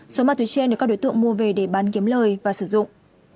số ma túy trên được các đối tượng mua về để bán kiếm lời và sử dụng